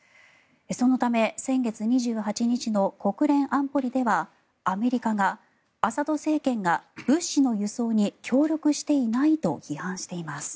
そのため、先月２８日の国連安保理ではアメリカがアサド政権が物資の輸送に協力していないと批判しています。